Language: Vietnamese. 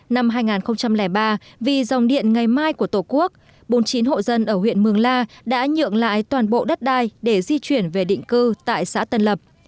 năm hai nghìn ba vì dòng điện ngày mai của tổ quốc bốn mươi chín hộ dân ở huyện mường la đã nhượng lại toàn bộ đất đai để di chuyển về định cư tại xã tân lập